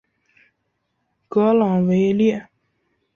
格朗维列。